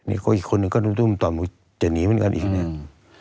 อีกคนหนึ่งก็ต่อมูลจะหนีเหมือนกันอีกหนึ่ง